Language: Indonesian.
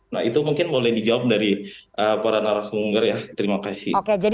nah itu mungkin boleh dijawab dari para narasumber ya terima kasih